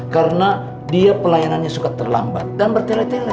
karena dia pelayanannya suka terlambat dan bertele tele